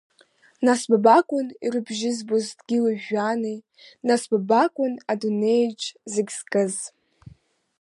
Нас ба бакәын ирыбжьызбоз дгьыли жәҩани, нас ба бакәын адунеиаҿ зегь зызкыз.